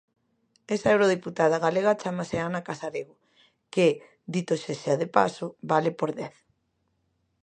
Esa eurodeputada galega chámase Ana Casarego, que, dito sexa de paso, vale por dez.